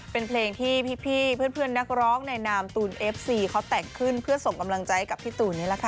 เป็นเพลงที่พี่เพื่อนนักร้องในนามตูนเอฟซีเขาแต่งขึ้นเพื่อส่งกำลังใจกับพี่ตูนนี่แหละค่ะ